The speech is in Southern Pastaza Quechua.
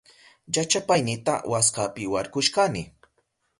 Llachapaynita waskapi warkushkani.